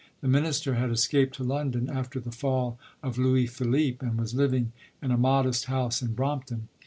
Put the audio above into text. The Minister had escaped to London after the fall of Louis Philippe, and was living in a modest house in Brompton.